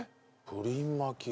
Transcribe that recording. プリン巻き？